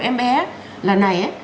em bé lần này